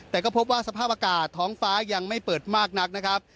แต่ก็พบว่าสภาพอากาศท้องฟ้ายังไม่เปิดมากนักนะครับ